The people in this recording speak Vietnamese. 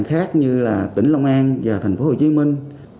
khác như là tỉnh long an và thành phố hồ chí minh